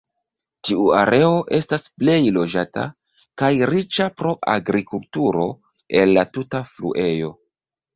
Tiu areo estas plej loĝata, kaj riĉa pro agrikulturo el la tuta fluejo.